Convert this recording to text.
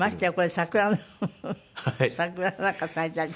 桜なんか咲いたりして。